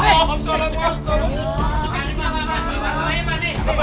kayak ada nanti baby jadi